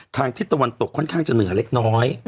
ทิศตะวันตกค่อนข้างจะเหนือเล็กน้อย